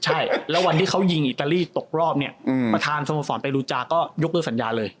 ใช่แล้ววันที่เขายิงอิตาลีตกรอบเนี่ยประธานสโมสรไปรูจาก็ยกเลิกสัญญาเลย